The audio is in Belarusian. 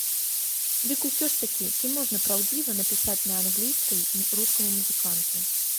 Дык усё ж такі, ці можна праўдзіва напісаць на англійскай рускаму музыканту?